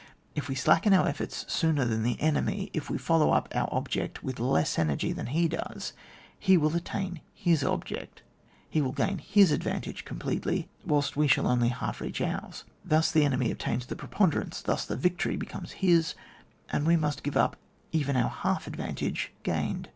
If we slacken our efforts sooner than the enemy, if we follow up our object with less energy than he does, he will attain his object, he 100 OiV JTAR. will gain his advantage completely, whilst we shall only half reach ours. Thus the enemy obtains the preponderance, thus the victory becomes his, and we must g^ye up even our half advantage gained.